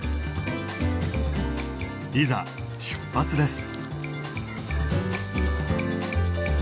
いざ出発です。